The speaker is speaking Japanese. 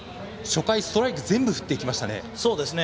初回、ストライク全部振っていきましたね。